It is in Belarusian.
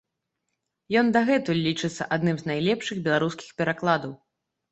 Ён дагэтуль лічыцца адным з найлепшых беларускіх перакладаў.